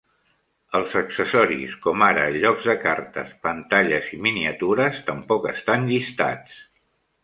Els accessoris, com ara llocs de cartes, pantalles i miniatures tampoc estan llistats.